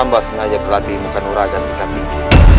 hamba sengaja berlatih ilmu kanuraga tingkat tinggi